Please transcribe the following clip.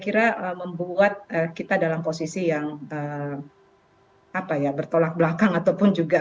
kira membuat kita dalam posisi yang bertolak belakang ataupun juga